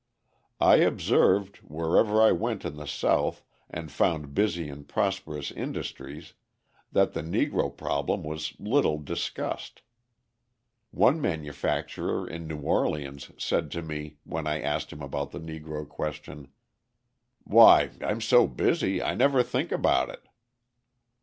I observed, wherever I went in the South and found busy and prosperous industries, that the Negro problem was little discussed. One manufacturer in New Orleans said to me, when I asked him about the Negro question: "Why, I'm so busy I never think about it."